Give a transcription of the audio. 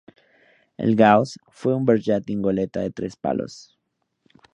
El "Gauss" fue un bergantín-goleta de tres palos.